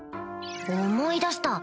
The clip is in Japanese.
思い出した